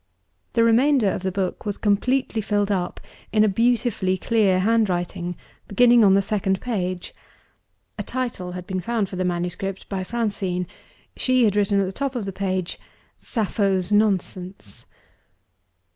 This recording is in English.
The remainder of the book was completely filled up, in a beautifully clear handwriting, beginning on the second page. A title had been found for the manuscript by Francine. She had written at the top of the page: Sappho's Nonsense.